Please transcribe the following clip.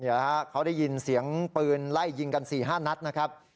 เขาได้ยินเสียงปืนไล่ยิงกัน๔๕นัดนะครับ